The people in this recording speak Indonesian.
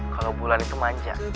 kalau bulan itu manja